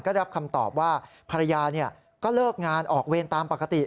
ก็รับคำตอบว่าภรรยาก็เลิกงานออกเวรตามปกติ